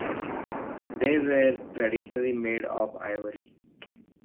They were traditionally made of ivory.